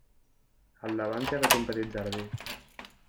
Al davant s'hi ha fet un petit jardí.